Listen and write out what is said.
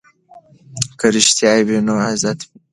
که رښتیا وي نو عزت وي.